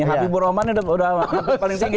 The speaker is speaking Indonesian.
hapibur roman udah paling tinggi